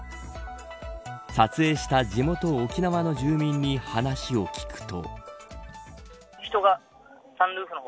撮影した地元沖縄の住民に話を聞くと。